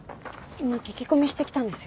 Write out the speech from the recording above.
今聞き込みしてきたんですよ。